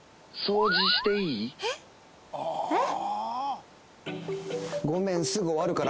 えっ？